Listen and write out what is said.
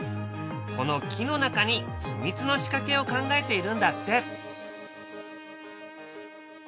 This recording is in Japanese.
この木の中に秘密の仕掛けを考えているんだって。